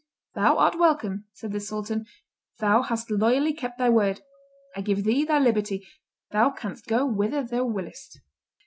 "Thou art welcome," said the sultan; "thou hast loyally kept thy word; I give thee thy liberty; thou canst go whither thou wiliest."